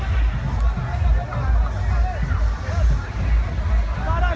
มันอาจจะไม่เอาเห็น